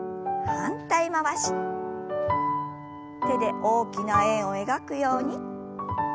手で大きな円を描くように。